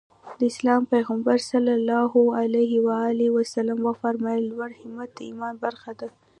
د اسلام پيغمبر ص وفرمايل لوړ همت د ايمان برخه ده.